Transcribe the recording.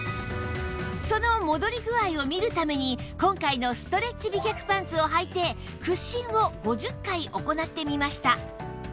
その戻り具合を見るために今回のストレッチ美脚パンツをはいて屈伸を５０回行ってみました